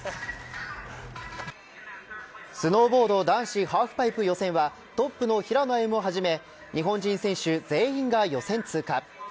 スノーボード男子ハーフパイプ予選はトップの平野歩夢をはじめ日本人選手全員が予選通過。